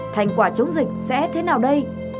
thành quả chống dịch sẽ thế nào đây